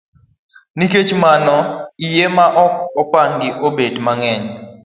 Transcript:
Nikech mano iye ma ok opangi obet mang'eny.